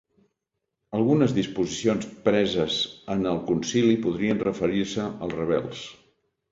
Algunes disposicions preses en el Concili podrien referir-se als rebels.